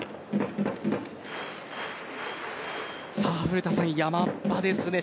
さあ、古田さん山場ですね。